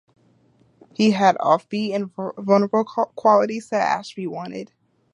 He had offbeat and vulnerable qualities that Ashby wanted.